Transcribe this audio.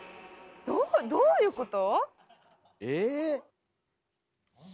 どうどういうこと？え？